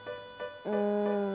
うん。